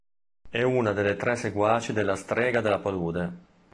È una delle tre seguaci della Strega della Palude.